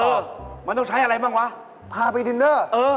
เออมันต้องใช้อะไรบ้างวะพาไปดินเนอร์